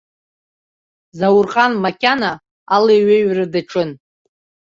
Заурҟан макьана алеиҩеира даҿын.